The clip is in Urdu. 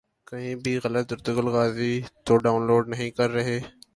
کہیں بھی غلط ارطغرل غازی تو ڈان لوڈ نہیں کر رہے